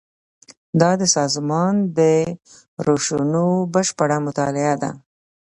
دا د سازمان د روشونو بشپړه مطالعه ده.